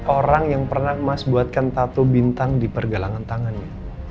orang yang pernah mas buatkan tatu bintang di pergalangan tangannya